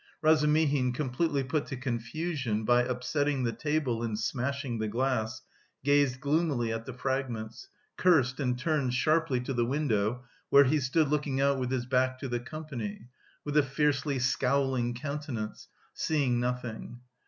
Razumihin, completely put to confusion by upsetting the table and smashing the glass, gazed gloomily at the fragments, cursed and turned sharply to the window where he stood looking out with his back to the company with a fiercely scowling countenance, seeing nothing.